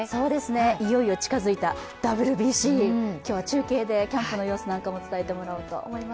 いよいよ近づいたＷＢＣ、今日は中継でキャンプの様子なんかも伝えてもらおうと思います。